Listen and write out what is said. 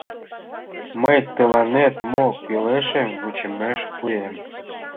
Мый тыланет мо кӱлешым вучымеш пуэм.